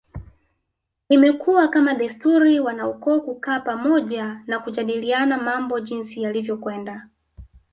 Imekuwa kama desturi wanaukoo kukaa pamoja na kujadiliana mambo jinsi yalivyokwenda